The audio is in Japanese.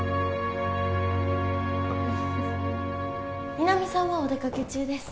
皆実さんはお出かけ中です